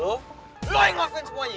lo yang ngelakuin semuanya